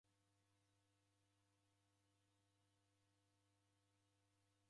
Waw'adilo ni w'ukongoki?